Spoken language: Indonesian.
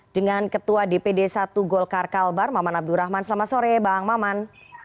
dengan ketua dpd satu golkar kalbar maman abdurrahman selamat sore bang maman